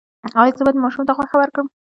ایا زه باید ماشوم ته غوښه ورکړم؟